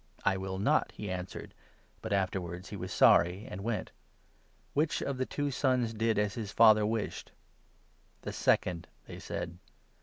' I will not,' he answered ; but afterwards he was sorry and went. Which 31 of the two sons did as his father wished ?"" The second," they said.